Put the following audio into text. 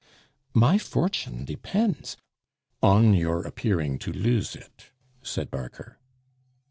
"My fortune depends " "On your appearing to lose it," said Barker.